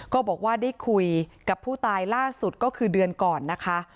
ก็บอกว่าได้คุยกับผู้ตายล่าสุดก็คือเดือนก่อนนะคะ